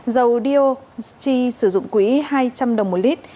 dầu diesel chi sử dụng quỹ hai trăm linh đồng một lít